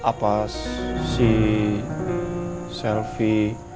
apa si selvi